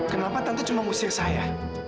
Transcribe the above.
kenapa tante cuma ngusir saya